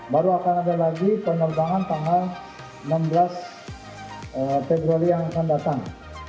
baru akan ada lagi penerbangan tanggal enam belas februari yang akan datang